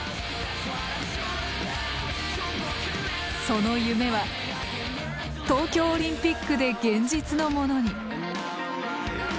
その夢は東京オリンピックで現実のものに。